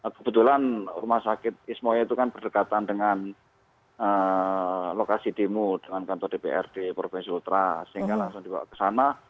kebetulan rumah sakit ismoyo itu kan berdekatan dengan lokasi demo dengan kantor dprd provinsi ultra sehingga langsung dibawa ke sana